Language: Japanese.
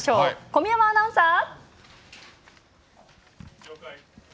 小宮山アナウンサー！